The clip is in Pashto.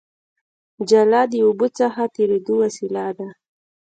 جاله د اوبو څخه تېرېدو وسیله ده